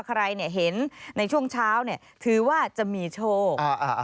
ใครเห็นในช่วงเช้าถือว่าจะมีโชค